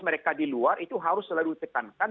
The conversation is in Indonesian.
mereka di luar itu harus selalu ditekankan